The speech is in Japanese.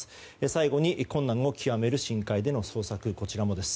最後に、困難を極める深海での捜索です。